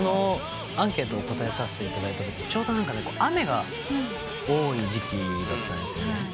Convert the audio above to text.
アンケートに答えさせていただいたときちょうど雨が多い時期だったんですよね。